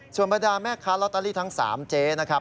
ส่วนบรรดาแม่ค้าลอตเตอรี่ทั้ง๓เจ๊นะครับ